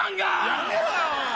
やめろよ。